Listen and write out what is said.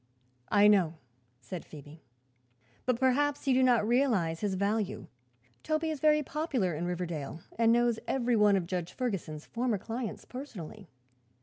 "I know," said Phoebe; "but perhaps you did not realize his value. Toby is very popular in Riverdale and knows every one of Judge Ferguson's former clients personally."